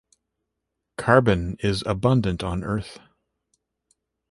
Carbon is abundant on Earth.